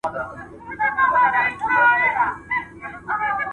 که ښه وي نو اخلاق ښه کېږي.